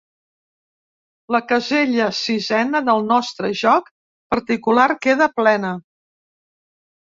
La casella sisena del nostre joc particular queda plena.